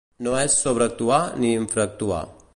No és sobreactuar ni infraactuar.